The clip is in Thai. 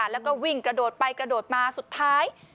แล้วก็วิ่งกระโดดไปกระโดดมาสุดท้าย